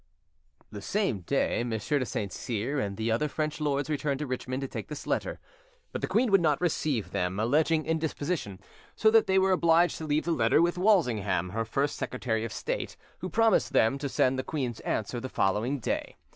The same day, M. de Saint Cyr and the other French lords returned to Richmond to take this letter; but the queen would not receive them, alleging indisposition, so that they were obliged to leave the letter with Walsingham, her first Secretary of State, who promised them to send the queen's answer the following day.